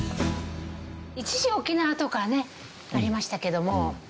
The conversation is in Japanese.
一時は沖縄とかねありましたけども。